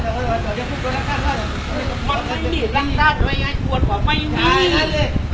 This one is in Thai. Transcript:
เต็มภาพไปโจทย์ทุกคนอย่างนี้หาที่วางให้พวก